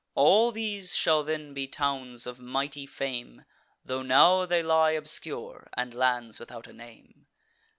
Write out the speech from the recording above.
All these shall then be towns of mighty fame, Tho' now they lie obscure, and lands without a name.